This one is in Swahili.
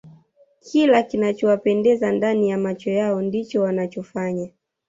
kila kinachowapendeza ndani ya macho yao ndicho wanachofanya